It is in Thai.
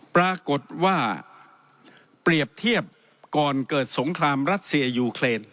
ปรากฏว่าเปรียบเทียบก่อนเกิดสงครามรัสเซียยูเครน